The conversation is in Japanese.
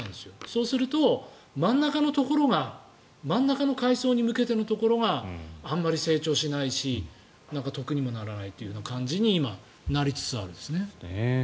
そうすると真ん中の階層に向けてのところがあんまり成長しないし得にもならないというような感じに今、なりつつあるんですね。